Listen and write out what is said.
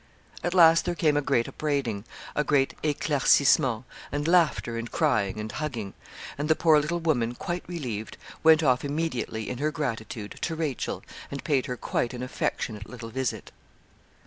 At last there came a great upbraiding, a great éclaircissement, and laughter, and crying, and hugging; and the poor little woman, quite relieved, went off immediately, in her gratitude, to Rachel, and paid her quite an affectionate little visit.